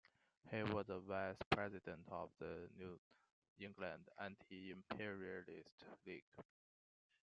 He was a vice president of the New England Anti-Imperialist League.